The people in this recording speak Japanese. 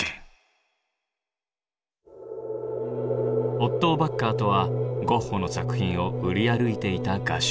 オットー・ヴァッカーとはゴッホの作品を売り歩いていた画商。